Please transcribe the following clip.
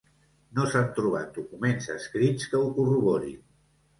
No s'han trobat documents escrits que ho corroborin.